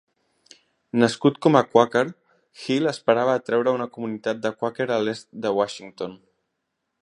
Nascut com a Quaker, Hill esperava atreure una comunitat de Quaker a l'est de Washington.